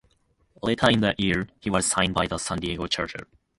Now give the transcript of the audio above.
Later in the year he was signed by the San Diego Chargers.